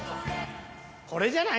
これじゃない？